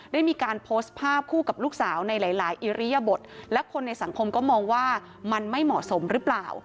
ได้มีการโพสต์ภาพคู่กับลูกสาวในหลายอิริยบทและคนในสังคมก็มองว่ามันไม่เหมาะสมหรือเปล่า